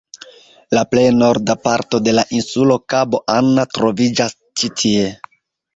La plej norda parto de la insulo, Kabo Anna, troviĝas ĉi tie.